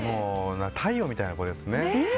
太陽みたいな子ですね。